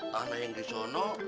tanah yang di sana